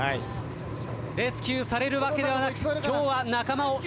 レスキューされるわけではなく今日は仲間を助けてきました。